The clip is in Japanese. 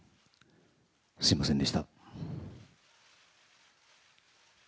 すみませんでした。